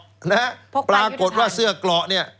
พกไปยุตภัณฑ์ปรากฏว่าเสื้อกล่อนี่